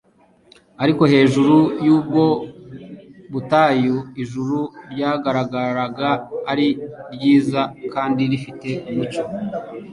Ariko hejuru y'ubwo butayu, ijuru ryagaragaraga ari ryiza kandi rifite umucyo.